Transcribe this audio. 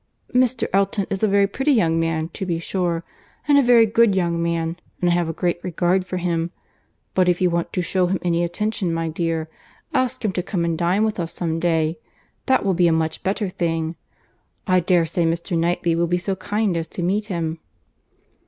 "Mr. Elton is a very pretty young man, to be sure, and a very good young man, and I have a great regard for him. But if you want to shew him any attention, my dear, ask him to come and dine with us some day. That will be a much better thing. I dare say Mr. Knightley will be so kind as to meet him."